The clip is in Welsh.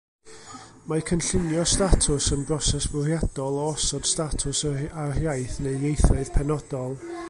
Mae cynllunio statws yn broses fwriadol o osod statws ar iaith neu ieithoedd penodol.